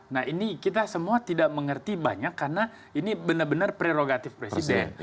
nah ini kita semua tidak mengerti banyak karena ini benar benar prerogatif presiden